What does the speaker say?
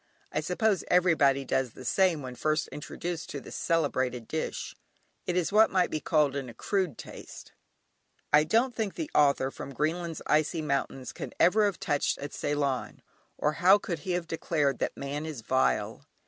I suppose everybody does the same when first introduced to this celebrated dish: it is what might be called "an accrued taste." I don't think the author of "From Greenland's Icy Mountains" can ever have touched at Ceylon, or how could he have declared that "man is vile"?